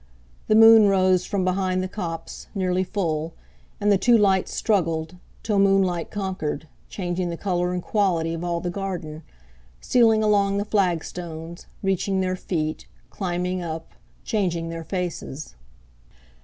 The moon rose from behind the copse, nearly full; and the two lights struggled, till moonlight conquered, changing the colour and quality of all the garden, stealing along the flagstones, reaching their feet, climbing up, changing their faces.